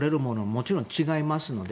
もちろん違いますので。